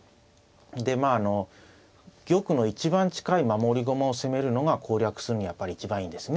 でまあ玉の一番近い守り駒を攻めるのが攻略するにはやっぱり一番いいですね。